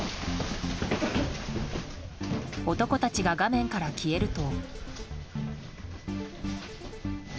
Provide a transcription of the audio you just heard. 男たちが画面から消えると。